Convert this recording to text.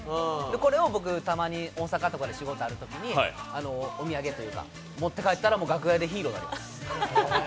これをたまに大阪とかで仕事があるときにお土産というか、持って帰ったら楽屋でヒーローです。